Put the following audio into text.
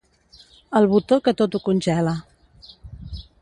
El botó que tot ho congela.